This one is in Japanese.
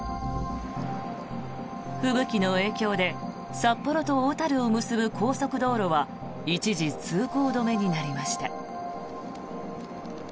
吹雪の影響で札幌と小樽を結ぶ高速道路は一時、通行止めになりました。